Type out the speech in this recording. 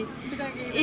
suka kayak gitu